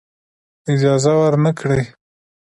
اجازه ورنه کړی.